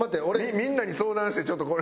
みんなに相談してちょっとこれ。